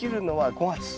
５月。